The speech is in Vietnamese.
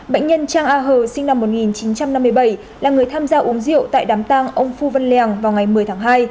bệnh nhân trang a hờ sinh năm một nghìn chín trăm năm mươi bảy là người tham gia uống rượu tại đám tang ông phu văn lèng vào ngày một mươi tháng hai